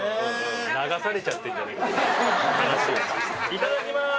いただきます。